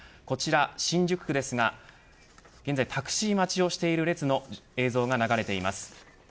こちらは新宿区ですが現在タクシー待ちをしている列の映像が流れています。